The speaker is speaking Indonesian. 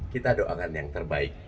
kita doakan yang terbaik